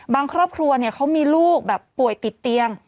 บางครอบครัวเนี่ยเขามีลูกแบบป่วยติดเตียง